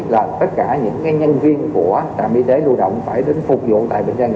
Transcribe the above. hai mươi bốn bảy là tất cả những nhân viên của trạm y tế lưu động phải đến phục vụ tại bệnh nhân